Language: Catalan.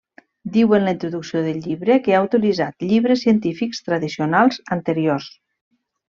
Diu en la introducció del llibre que ha utilitzat llibres científics tradicionals anteriors.